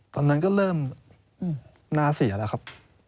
ตอนนั้นก็เริ่มน่าเสียแล้วครับ